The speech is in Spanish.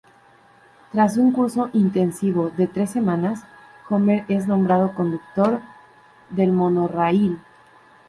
Tras un curso "intensivo" de tres semanas, Homer es nombrado conductor del monorraíl.